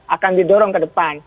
akan didorong ke depan